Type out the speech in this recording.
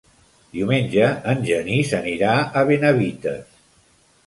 Diumenge en Genís anirà a Benavites.